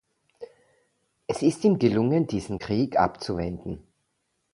Es ist ihm gelungen, diesen Krieg abzuwenden.